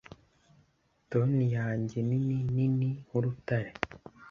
Toni yanjye nini nini nkurutare